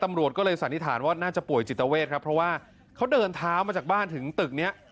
ตำรวจก็เลยสันนิษฐานว่าน่าจะป่วยจิตเวทครับเพราะว่าเขาเดินเท้ามาจากบ้านถึงตึกเนี้ย